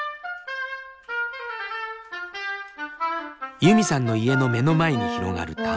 ユミさんの家の目の前に広がる田んぼ。